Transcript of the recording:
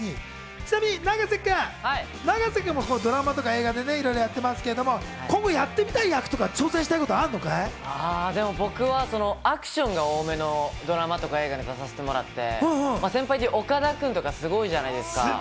ちなみに永瀬君、永瀬君もドラマとか映画でいろいろやってますけど、今後やってみたい役と僕はアクションが多めのドラマとか映画に出させてもらって、先輩で岡田君とかすごいじゃないですか。